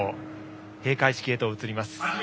閉会式へと移ります。